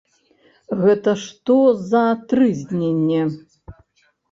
Гэта што за трызненне?